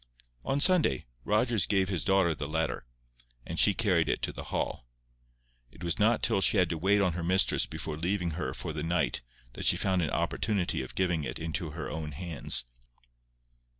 On Sunday, Rogers gave his daughter the letter, and she carried it to the Hall. It was not till she had to wait on her mistress before leaving her for the night that she found an opportunity of giving it into her own hands.